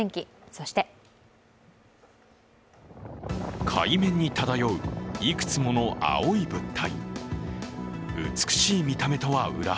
そして海面に漂ういくつもの青い物体。